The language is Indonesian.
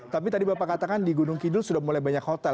tapi tadi bapak katakan di gunung kidul sudah mulai banyak hotel